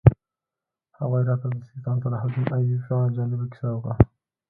هغوی راته د سلطان صلاح الدین ایوبي په اړه جالبه کیسه وکړه.